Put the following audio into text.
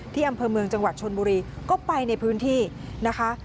อำเภอเมืองจังหวัดชนบุรีก็ไปในพื้นที่นะคะ